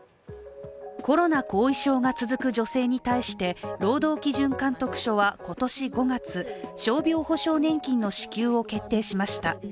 コロナ後遺症が続く女性に対して労働基準監督署は今年５月傷病補償年金の支給を決定しました。